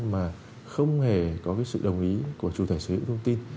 mà không hề có sự đồng ý của chủ thể xử lý thông tin